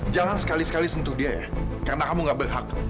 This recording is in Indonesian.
jangan sekali sekali sentuh dia ya karena kamu gak berhak